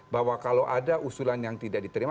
bahwa kalau ada usulan yang tidak diterima